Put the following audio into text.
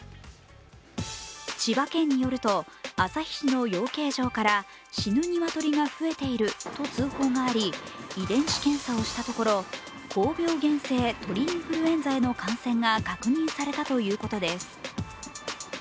千葉県によると、旭市の養鶏場から死ぬニワトリが増えていると通報があり、遺伝子検査をしたところ、高病原性鳥インフルエンザの感染が確認されたということです。